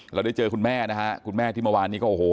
เราได้เจอคุณแม่นะฮะคุณแม่ที่เมื่อวานนี้ก็โอ้โห